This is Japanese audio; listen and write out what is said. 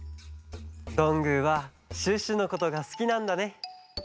どんぐーはシュッシュのことがすきなんだね。